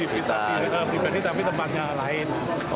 pribadi tapi tempatnya lain